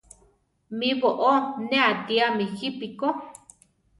Mí boʼó ne atíame jípi ko.